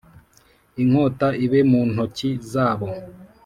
inkota ibe mu ntoki zabo